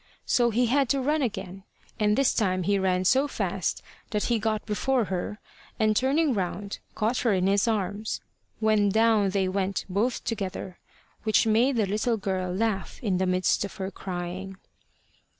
So he had to run again, and this time he ran so fast that he got before her, and turning round caught her in his arms, when down they went both together, which made the little girl laugh in the midst of her crying.